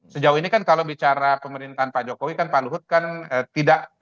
sejauh ini kan kalau bicara pemerintahan pak jokowi kan pak luhut kan tidak